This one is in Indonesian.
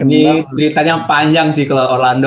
ini ceritanya panjang sih kalo orlando